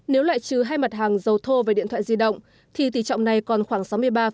nếu loại trừ hai mặt hàng dầu thô và điện thoại di động thì tỷ trọng này còn khoảng sáu mươi ba